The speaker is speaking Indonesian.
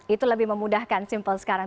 itu lebih memudahkan simpel sekarang